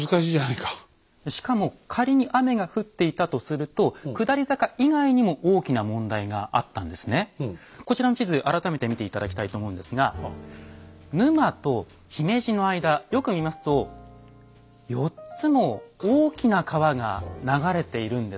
しかも仮に雨が降っていたとするとこちらの地図改めて見て頂きたいと思うんですが沼と姫路の間よく見ますと４つも大きな川が流れているんです。